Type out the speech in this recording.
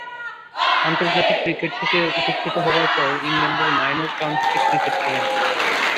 আন্তর্জাতিক ক্রিকেট থেকে উপেক্ষিত হবার পর ইংল্যান্ডের মাইনর কাউন্টিতে ক্রিকেট খেলেন।